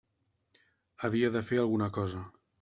Havia de fer alguna cosa.